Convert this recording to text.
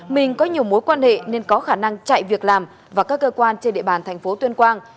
mình có nhiều mối quan hệ nên có khả năng chạy việc làm và các cơ quan trên địa bàn thành phố tuyên quang